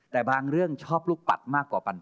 แต่บางเรื่องชอบลูกปัดมากกว่าปัน